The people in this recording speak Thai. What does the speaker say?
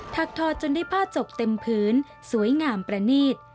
ทอจนได้ผ้าจกเต็มพื้นสวยงามประนีต